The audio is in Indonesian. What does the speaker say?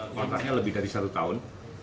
kontraknya lebih dari satu tahun